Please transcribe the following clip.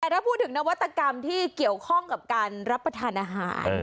แต่ถ้าพูดถึงนวัตกรรมที่เกี่ยวข้องกับการรับประทานอาหาร